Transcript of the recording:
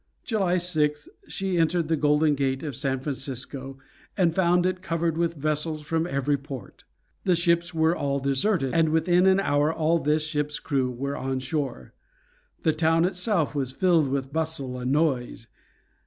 July 6th she entered the Golden Gate of San Francisco, and found it crowded with vessels from every port. The ships were all deserted, and within an hour all this ship's crew were on shore. The town itself was filled with bustle and noise.